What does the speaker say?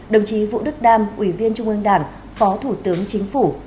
đồng chí vũ đức đam ủy viên trung ương đảng phó thủ tướng chính phủ